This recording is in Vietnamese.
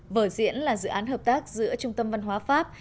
vở diễn là dự án hợp tác giữa trung tâm văn hóa pháp